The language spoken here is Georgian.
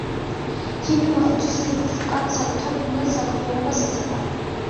ჰიპი მოხუცის ზურგს უკან საკუთარ ბნელ საქმიანობას ეწევა.